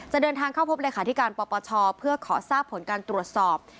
เดินทางเข้าพบเลขาธิการปปชเพื่อขอทราบผลการตรวจสอบ